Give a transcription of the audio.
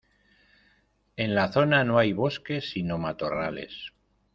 En la zona no hay bosques, sino matorrales.